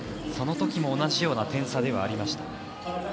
そのときも同じような点差でもありました。